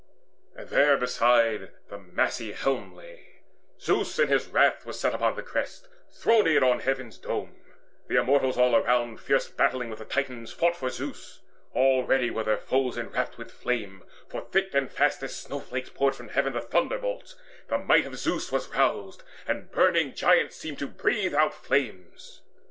And therebeside the massy helmet lay. Zeus in his wrath was set upon the crest Throned on heaven's dome; the Immortals all around Fierce battling with the Titans fought for Zeus. Already were their foes enwrapped with flame, For thick and fast as snowflakes poured from heaven The thunderbolts: the might of Zeus was roused, And burning giants seemed to breathe out flames.